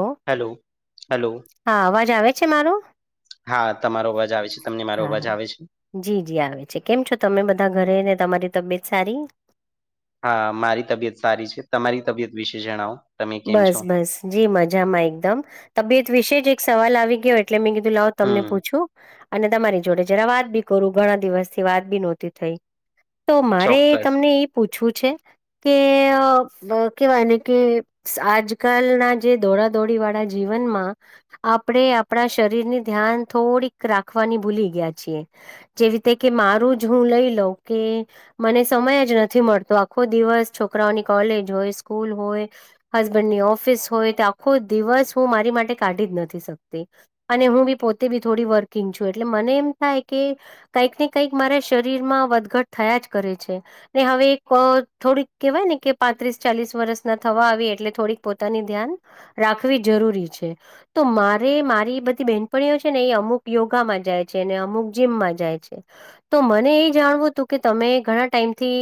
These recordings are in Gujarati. લો હાલો, હાલો. હા અવાજ આવે છે મારો? હા તમારો અવાજ આવે છે. તમને મારો હા અવાજ હા આવે છે? જી જી આવે છે. કેમ છો તમે બધા ઘરે ને તમારી તબિયત સારી? હા મારી તબિયત સારી છે, તમારી તબિયત વિશે જણાવો? તમે કેમ છો બસ બસ જી મજામાં એકદમ તબિયત વિશે જ એક સવાલ આવી ગયો એટલે મેં કીધું લાવ તમને હમ પૂછું. અને તમારી જોડે જરા વાત બી કરું ઘણા દિવસ થી વાત બી નહોતી થઈ. તો મારે ચોક્કસ તમને પૂછવું છે કે કેવાયને કે આજકાલના જે દોડાદોડી વાળા જીવનમાં આપણેે આપણા શરીરની ધ્યાન થોડીક રાખવાની ભૂલી ગયા છીએ. જેવી રીતે કે મારું જ હું લઈ લઉં કે મને સમય જ નથી મળતો આખો દિવસ છોકરાઓની કોલેજ હોય, સ્કૂલ હોય. હસબન્ડની ઓફિસ હોય તો આખો દિવસ હું મારી માટે કાઢી જ નથી શકતી. અને હું બી પોતે બી થોડી વર્કિંગ છું એટલે મને એમ થાય કે કંઈક ને કઈક મારા શરીર માં વધઘટ થયા જ કરે છે. ને હવે એક થોડીક કેવાય ને કે પાંત્રીસ ચાલીસ વર્ષ ના થવા આવીએ એટલે થોડીક પોતાની ધ્યાન રાખવી જરૂરી છે. તો મારે મારી બધી બેહેનપણીઓ છે ને એ અમુક યોગામાં જાય છે અને અમુક જીમમાં જાય છે. તો મને એ જાણવું હતું કે તમે ઘણા ટાઈમથી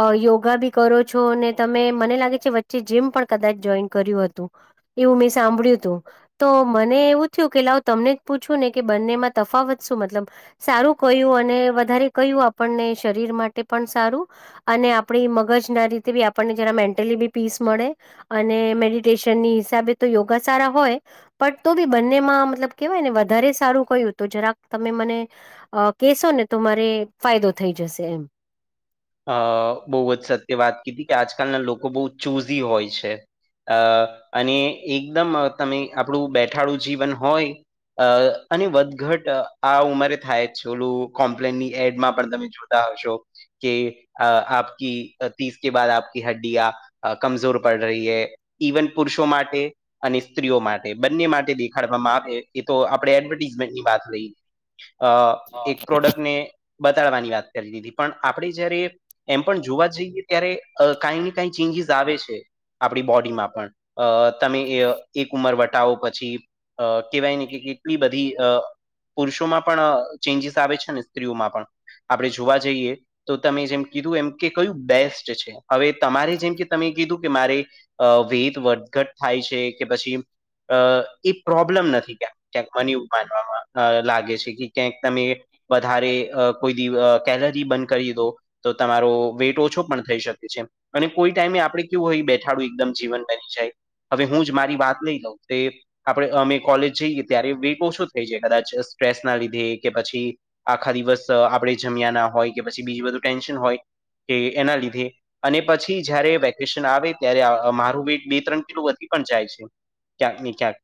અ યોગા બી કરો છો અને તમે મને લાગે છે વચ્ચે જીમ પણ કદાચ જોઈન કર્યું હતું. એવું મેં સાંભળ્યું હતું. તો મને એવું થયું કેટ લું તમને જ પૂછવું ને કે બંનેમાં તફાવત શું મતલબ સારું કહ્યું અને વધારે કહ્યું આપણને શરીર માટે પણ સારું અને આપણી મગજ ના રીતે બી આપણને જરા મેન્ટલી બી પીસ મળે. અને મેડિટેશનની હિસાબે તો યોગા સારા હોય. પટ તો બી બંનેમાં મતલબ કેહેવાય ને વધારે સારું કહ્યું તો જરાક તમે મને અ કેસો ને તોરે ફાયદો થઈ જશે એમ. અ બહુ જ સત્ય વાત કીધી કે આજકાલના લોકો બહુ ચુઝી હોય છે. અ અને એકદમ તમે આપણું બેઠાડું જીવન હોય અ અને વધઘટ આ ઉંમરે થાય જ ઓોલું કોમ્પ્લેન ની એડમાં પણ તમે જો આવશો કે આપકી તીસ કે બા આપકી હડ્ડિયા કમજોર પડ રહી હૈ ઇવન પુરુષો માટે અને સ્ત્રીઓ માટે બંને માટે દેખાડવામાં આવે એ તો આપણે એડવર્ટીઝમેન્ટની વાત લઈ અ એક પ્રોડક્ટ ને બતાડવાની વાત કરી દીધી પણ આપણે જયારે એમ પણ જોવા જઈએ ત્યારે કઈ ને કઈ ચેન્જીસ આવે છે આપણી બોડીમાં પણ અ તમે એક ઉમર વટાવો પછી પછી કેવાય નને કે કેટલી બધી અ પુરુષોમાં પણ ચેન્જીસ આવે છે ને સ્ત્રીઓમાં પણ આપણે જોવા જઈએ તો તમે જેમ કીધું એમ કે કયું બેસ્ટ છે હવે તમારે જેમ કે તમે કીધું કે મારે અ વેધ વધઘટ થાય છે કે પછી અ એ પ્રોબ્લેમ નથી ક ક્યાંક મને એવું માનવામાં લાગે છે કે ક્યાંક તમે વધારે કોઈ દ કેલરી બન કરી દો તો તમારો વેટ ઓછો પણ થઈ શકે છે અને કોઈ ટાઈમે આપડે કેવું હોય બેઠાડું એકદમ જીવન બની જાય હવે હું જ મારી વાત નહીં લઉં તે આપણે અમે કોલેજ જઈએ ત્યારે વેગો શું થઈ જાય કદાચ સ્ટ્રેસ ના લીધે કે પછી આખા દિવસ આપણે જમ્યા ના હોય કે પછી બીજીું બધું ટેન્શન હોય કે એના લીધે અને પછી જારે વેકેશન આવે ત્યારે મારું વેટ બે ત્રણ કિલો વધી પણ જાય છે ક્યાંક ને ક્યાંક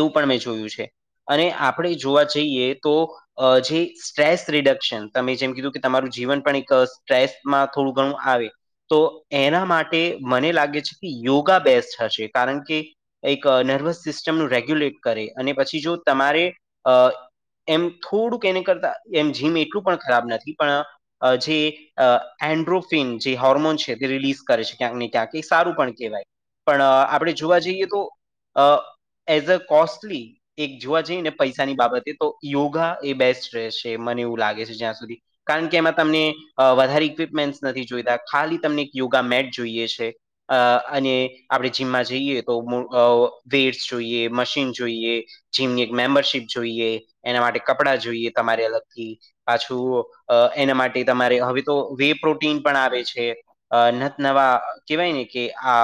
એવું પણ મેં જોયું છે અને આપણે જોવા જઈએ તો જે સ્ટ્રેસ રિડક્શન તમે જેમ કીું કે તમારું જીવન પણ એક સ્ટ્રેસમાં થોડું ઘણું આવે તો એના માટે મને લાગે છે કે યોગા બેસ્ટ હશે કારણ કે એક નર્વસ સિસ્ટમનું રેગ્યુલેટ કરે અને પછી જો તમારે અ એમ થોડુંક એને કરતા એમ જીમ એટલું પણ ખરાબ નથી પણ જે એન્ડ્રોફિન જે હોર્મોન છે તે રિલીઝ કરે છે ક્યાંક ને ક્યાંક એ સારું પણ કહેવાય પણ આપણે જોવા જઈએ તો એઝ અ કોસ્ટલી એક જોવા જઈ ને પૈસાની બાબતે તો યોગા એ બેસ્ટ રહેશે મને એવું લાગે છે જ્યાં સુધી કારણ કે એમાં તમને વધારે ઇક્વિપમેન્ટસ નથી જોઈતા ખાલી તમને યોગા મેટ જોઈએ છે અ અને આપણે જીમમાં જઈએ તો વેડસ જોઈએ મશીન જોઈએ જીમની એક મેમ્બરશીપ જોઈએ એના માટે કપડા જોઈએ તમારી અલગથી પાછું એના માટે તમારે હવે તો વે પ્રોટીન પણ આવે છે નવા કહેવાય ને કે આ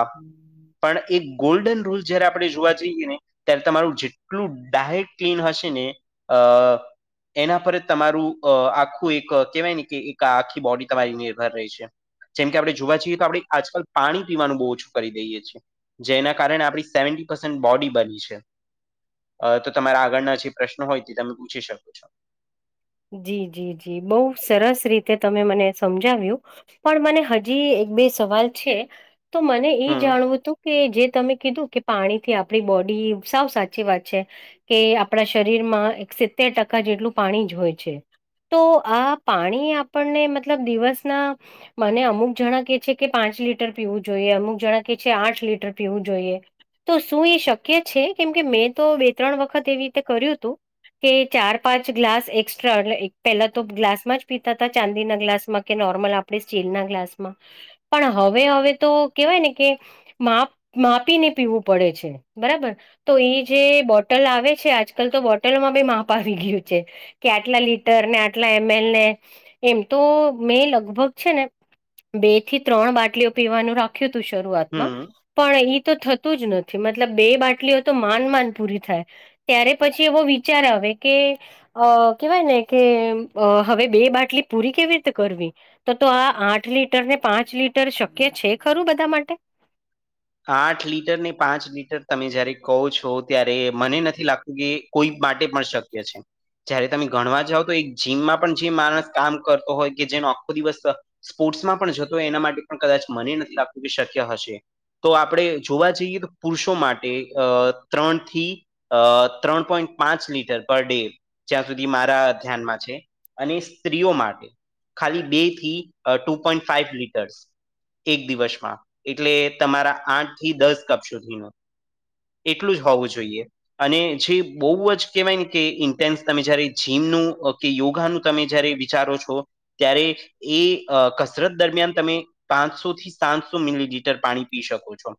પણ એક ગોલ્ડન રૂલ જય્યારે આપણે જોવા જઈએ ને ત્યારે તમારું જેટલું ડાયટ ક્લીન હશે ને અ એના પર જ તમારું અ આખું આખું એક કેહેવાય ને કે એક આખી બોડી તમારી નિર્ભર રહી છે જેમ કે આપણે જોવા છીએ તો આપણે આજકાલ પાણી પીવાનું બહુ ઓછું કરી દઈએ છીએ જેના કારણે આપણી સેવન્ટી પર્સેન્ટ બોડી બની છે તો તમારા આગળના જે પ્રશ્નો હોય તે તમે પૂછી શકો છો જી જી જી બહુ સરસ રીતે તમે મને સમજાવ્યું પણ મને હજી એક બે સવાલ છે તો મને એ હમ જાણવું તું કે જે તમે કીધું કે પાણી થી આપડી બોડી સાવ સાચી વાત છે. કે આપણા શરીર માં એક સિત્તેર ટકા જેટલું પાણી જ હોય. છે. તો આ પાણી આપણને મતલબ દિવસના મને અમુક જણા કે છે કે પાંચ લીટર પીવું જોઈએ, અમુક જણા કે છે આઠ લીટર પીવું જોઈએ. તો શું એ શક્ય છે કેમ કે મેં તો બે ત્રણ વખત એવી રીતે કર્યું હતું કે ચાર પાંચ ગ્લાસ એક પેલા તો ગ્લાસમાં જ પીતા હતા ચાંદીના ગ્લાસમાં કે નોર્મલ આપણે સ્ટીલના ગ્લાસમાં પણ હવે હવે તો કેહેવાય ને કે માપ માપીને પીવું પડે છે બરાબર તો એ જે બોટલ આવે છે આજકાલ તો બોટલમાં બે માપ આવી ગયું છે કે આટલા લીટર ને આટલા એમ એલ ને એમ તો મેં લગભગ છે ને બે થી ત્રણ બાટલીઓ પીવાનું રાખ્યું તું હમ. શરૂઆતમાં. પણ એઈ તો થતું જ નથી મતલબ બે બાટલીઓ તો માડ માડ પૂરી થાય. ત્યારે પછી એવો વિચાર આવે કે અ કેવાય ને કે અ હવે બે બાટલી પૂરી કેવી રીતે કરવી. તો તો આ આઠ લીટર ને પાંચ લીટર શક્ય છે ખરું બધા માટે. આઠ લીટર ને પાંચ લીટર તમે જયારે કવ છો ત્યારે મને નથી લાગતું કે કોઈ માટે માં શકય છે. જયારે તમે ગણવા જાઓ તો એક જીમમાં પણ જે માણસ કામ કરતો હોય કે જેનો આખો દિવસ સ્પોર્ટ્સમાં પણ જતો હશે એના માટે પણ કદાચ મને નથી લાગતું કે શક્ય હશે. તો આપણે જોવા જઈએ તો પુરુષો માટે અ ત્રણ થી અ ત્રણ પોઈન્ટ પાંચ લીટર પર ડે જ્યાં સુધી મારા ધ્યાનમાં છે. અને સ્ત્રીઓ માટે ખાલી બે થી અ ટુ પોઈન્ટ ફાઈવ લીટર્સ. એક દિવસમાં એટલે તમારા આઠ થી દસ કપ સુધીનો. એટલું જ હોવું જોઈએ. અને જે બોવ જ કેહવાય ને કે ઇન્ટેન્સ તમે જયારે જીમનું કે યોગાનું તમે જયારે વિચારો છો ત્યારે એ અ કસરત દરમિયાન તમે પાંચસો થી સાતસો મિલીલીટર પાણી પી શકો છો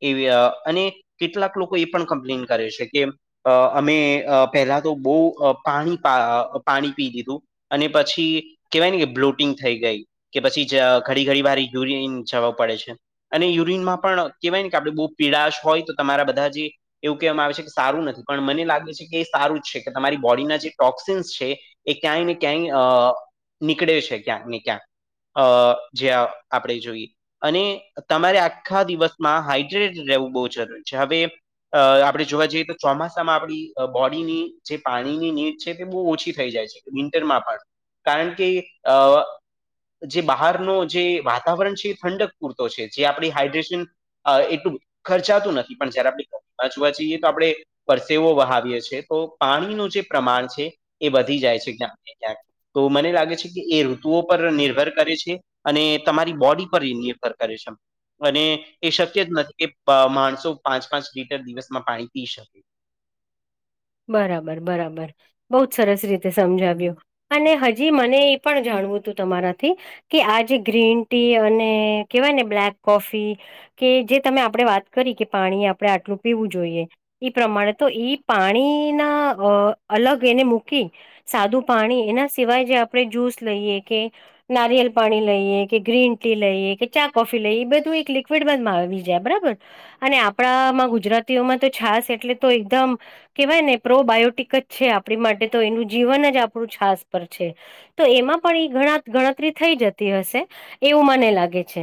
એવી અને કેટલાક લોકો એ પણ કમ્પ્લેન કરે છે કે અ અમે અ પહેલા તો બો પાણી પાણી પાણી પી લીધું. અને પછી કેવાય ને કે બ્લોટિંગ થઈ ગઈ. કે પછી જ ઘડી ઘડી વાર યુરિન જવા પડે છે અને યુરિન યુરિન માં પણ કહેવાય ને કે આપણે બો પીડાશ હોય તો તમારા બધા જે એવું કહેવામાં આવે છે કે સારું નથી પણ મને લાગે છે કે એ સારું જ છે કે તમારી બોડીના જે ટોક્સિન્સ છે એ ક્યાંય ને ક્યાંય અ નીકળે છે ક્યાંક ને ક્યાંક. અ જ્યા આપણે જોઈએ અને તમારે આ આખા દિવસમાં હાઈડ્રેટેડ રહેવું બો જરૂરી છે. હવે અ આપણે જોવા જઈએ તો ચોમાસામાં આપણી બોડીની જે પાણીની નીડ છે તે બો ઓછી થઈ જાય છે. વિન્ટરમાં પણ કારણ કે અ જે બહારનો જે વાતાવરણ છે એ ઠંડક પૂરતો છે. જે આપણી હાઈડ્રેશન અ એટલું ખર્ચાતું નથી પણ જયારે આપણી આજુ બાજુ જોવા જઈએ તો આપણે પરસેવો વહાવયે છે તો પાણીનું જે પ્રમાણ છે એ વધી જાય છે ક્યાંક ને ક્યાંક. તો મને લાગે છે કે એ ઋતુઓ પર નિર્ભર કરે છે. અને તમારી બોડી પર એ નિર્ભર કરે છે એમ. અને એ શક્ય જ નથી કે અ માણસો પાંચ પાંચ લીટર દિવસમાં પાણી પી શકે. બરાબર બરાબર બો જ સરસ રીતે સમજાવ્યું. અને હજી મને એ પણ જાણવું તું તમારાથી કે આ જે ગ્રીન ટી અને કહેવાય ને કે બ્લેક કોફી કે જે તમે આપણે વાત કરી કે પાણી આપણે આટલું પીવું જોઈએ. એ પ્રમાણે તો એઈ પાણીના અ અલગ એને મૂકી સાદું પાણી એના સિવાય જે આપણે જ્યુસ લઈએ કે નારિયેલ પાણી લઈએ કે ગ્રીન ટી લઈએ કે ચા કોફી લઈએ બધું એક લિક્વિડ માં આવી જાય બરાબર ને અને આપણામાં ગુજરાતીઓમાં તો છાસ એટલે તો એકદમ કહેવાય ને પ્રો બાયોટિક જ છે આપણી માટે તો એનું જીવન જ આપણું છાસ પર છે. તો એમાં પણ એ ઘણા ગણતરી થઈ જતી હશે એવું મને લાગે છે.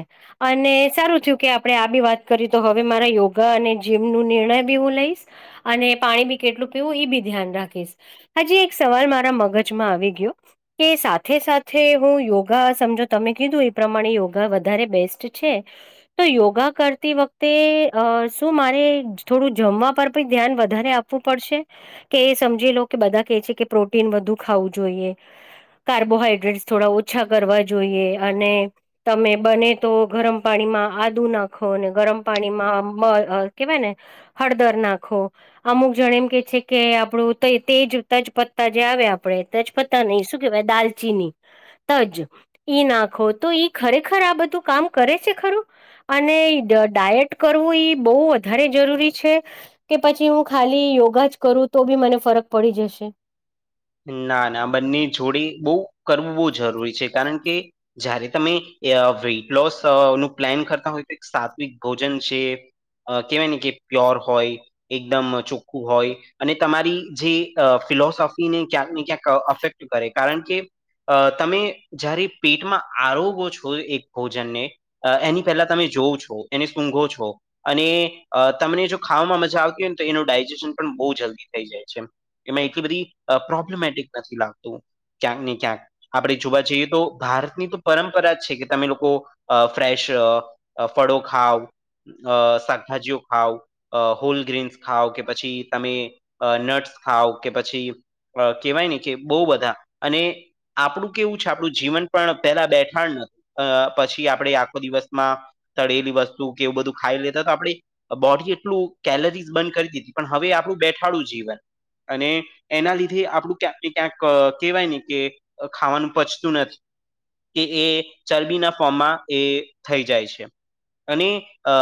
અને સારું થીયું કે આપણે આ બી વાત કરી તો હવે મારા યોગા અને જીમ નું નિર્ણય બી હું લઈશ. અને પાણી બી કેટલું પીવું ઈ બી ધ્યાન રાખીશ. હજી એક સવાલ મારા મગજમાં આવી ગયો. કે સાથે સાથે હું યોગા સમજો તમે કીધું ઈ પ્રમાણે યોગા વધારે બેસ્ટ છે. તો યોગા કરતી વખતે અ શું મારે થોડું જમવા પર પણ ધ્યાન વધારે આ પવું પડશે કે સમજી લો કે બધા કે છે કે પ્રોટીન વધુ ખાવું જોઈએ. કાર્બોહાઈડ્રેટસ થોડા ઓછા કરવા જોઈએ અને તમે બને તો ગરમ પાણીમાં આદુ નાખો ને ગરમ પાણીમાં [unintelligible] કેવાય ને હળદર નાખો. અમુક જણે એમ કે છે કે આપણું તેજ તજપત્તા જે આવે આપડે તજપતા નહી શું કેવાય દાલચીની તજ ઈ નાખો તો ઈ ખરેખર આ બધું કામ કરે છે ખરું અને ડાયટ કરવું બહુ વધારે જરૂરી છે કે પછી હું ખાલી યોગા જ કરું તો બી મને ફરક પડી જશે. ના ના બંની જોડી બુક કરવું બહુ જરૂરી છે કારણ કે જ્યારે તમે અ વેઇટ લોસ નું પ્લાન કરતા હોય તો એક સાત્વિક ભોજન છે અ કેવાય ને કે પ્યોર હોય એકદમ ચોખ્ખું હોય અને તમારી જે ફિલોસોફી ને ક્યાંક ને ક્યાંક અફેક્ટ કરે કારણ કે અ તમે જ્યારે પેટમાં આરોગો છો એક ભોજનને અ એની પહેલા તમે જોવં છો એને સૂંઘો છો અને તમને જો ખાવામાં મજા આવતી હોય ને તો એનું ડાયજેશન પણ બો જલ્દી થઈ જાય છે. એમાં એટલી બધી પ્રોબ્લેમેટિક નથી લાગતું ક્યાંક ને ક્યાંક આપણે જોવા જઈએ તો ભારતની તો પરંપરા જ છે કે તમે લોકો ફ્રેશ અ ફળો ખાાવ અ શાકભાજીઓ ખાાવ અ હોલગ્રીન્સ ખાાવ કે પછી તમે નટ્સ ખાઓ કે પછી અ કેવાય ને કે બો બધા અને આપણું કેવું છે આપણું જીવન પણ પેલા બેઠાણ અ પછી આપડે આખો દિવસમાં તળેલી વસ્તુ કેવું બધું ખાઈ લીધું તો આપણે બોડી એટલું કેલરીઝ બન કરી દીધી પણ હવે આપણું બેઠાડું જીવન અને એના લીધે થી આપડું ક્યાંક ને ક્યાંક કહેવાય ને કે ખાવાનું પચતું નથી. કે એ ચરબીના ફોર્મમાં એ થઈ જાય છે. અને અ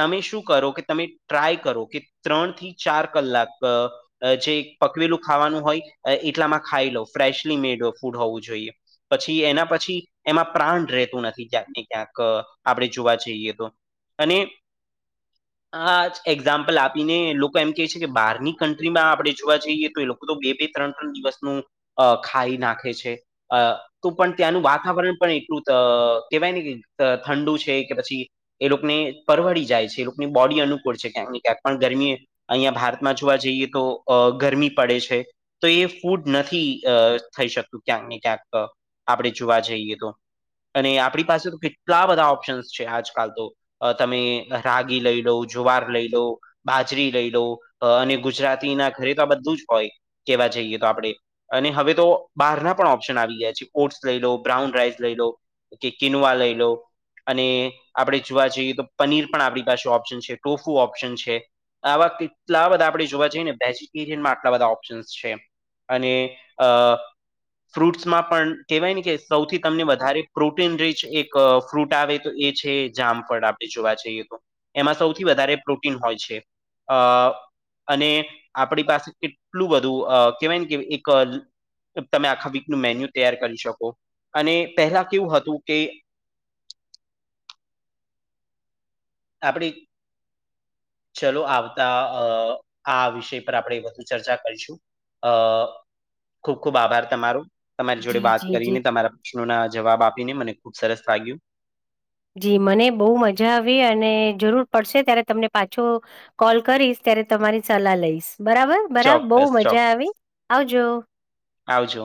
તમે શું કરો કે તમે ટ્રાય કરો કે ત્રણ થી ચાર કલાક જે પકવેલું ખાવાનું હોય એટલામાં ખાઈ લો ફ્રેશલી મેડ ફૂડ હોવું જોઈએ. પછી એના પછી એમાં પ્રાણ રહેતું નથી ક્યાંક ને ક્યાંક આપણે જોવા જઈએ તો અને હ એક્ઝામ્પલ આપીને લોકો એમ કે છે કે બહારની કન્ટ્રીમાં આપણે જોવા જઈએ તો એ લોકો તો બે બે ત્રણ ત્રણ દિવસનું ખાઈ નાખે છે અ તો પણ ત્યાંનું વાતાવરણ પણ એટલું અ કેવાય ને કે ઠંડુ છે કે પછી એ લોકોને પરવડી જાય છે એ લોકોની બોડી અનુકૂળ છે ક્યાંક ને ક્યાંક પણ ગરમી અહિયાં ભારતમાં જોવા જઈએ તો અ ગરમી પડે છે તો એ ફૂડ નથી થઈ શકતું ક્યાંક ને ક્યાંક આપણે જોવા જઈએ તો અને આપણી પાસે તો કેટલા બધા ઓપ્શન્સ છે આજકાલ તો અ તમે રાગી લઈ લો જુવાર લઈ લો બાજરી લઈ લો અને ગુજરાતી ના ઘરે તો બધું જ હોય કેવા જઈએ તો આપણે અને હવે તો બહારના પણ ઓપ્શન આવી ગયા છે ઓટ્સ લઈ લો બ્રાઉન રાઈસ લઈ લો કે કેનવા લઈ લો અને આપણે જોવા જઈએ તો પનીર પણ આપણી પાસે ઓપ્શન છે ટોફુ ઓપ્શન છે આવા કેટલા બધા આપડે જોવા જઈએ ને વેજીિટેરિયન મા આ બધા ઓપ્શન્સ છે અને અ ફ્રૂટ્સમાં પણ કહેવાય ને કે સૌથી તમને વધારે પ્રોટીન રીચ એક ફ્રૂટ આવે તો એ છે જામફળ આપણે જોવા જઈએ તો એમાં સૌથી વધારે પ્રોટીન હોય છે અ અને આપણી પાસે એટલું બધું અ કહેવાય ને કે એક તમે આખા વીક નું મેન્યુ તૈયાર કરી શકો અને પહેલા કેવું હતું કે આપડી ચલો આવતા આ વિષય પર આપણે વધુ ચર્ચા કરીશું અ ખુબ ખુબ આભાર તમારો તમારી જોડે જી વાત જી જી કરીને તમારા પ્રશ્નો ના જવાબ આપીને મને ખુબ સરસ લાગ્યું. જી મને બહુ મજા આવી અને જરૂર પડશે ત્યારે તમને પાછો. કોલ કરીશ ત્યારે તમારી સલાહ લઈશ બરાબર બરાબર બહુ ચોક્કસ, ચોક્કસ. મજા આવી આવજો આવજો